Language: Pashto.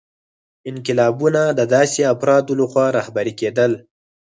انقلابونه د داسې افرادو لخوا رهبري کېدل.